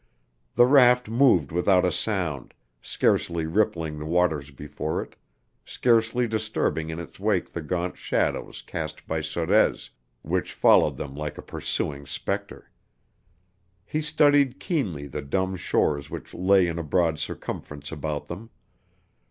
The raft moved without a sound, scarcely rippling the waters before it, scarcely disturbing in its wake the gaunt shadow cast by Sorez, which followed them like a pursuing spectre. He studied keenly the dumb shores which lay in a broad circumference about them.